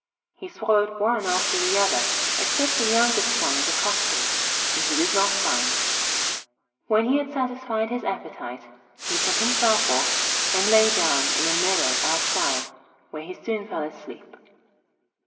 He swallowed one after the other, except the youngest one in the clock case, whom he did not find. When he had satisfied his appetite, he took himself off, and lay down in a meadow outside, where he soon fell asleep.